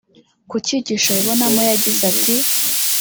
Ku cyigisho abibonamo yagize ati